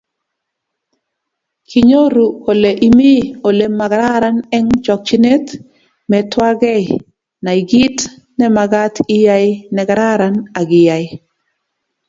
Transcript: Kinyoru kole imi ole magararan eng chokchinet, metwagei-Nay kit nemagat iyai negararan ,akiyai